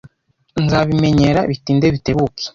Nzabimenyera bitinde bitebuke.